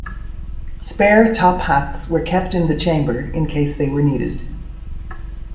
Spare top hats were kept in the chamber in case they were needed.